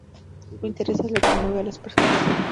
Me interesa lo que mueve a las personas.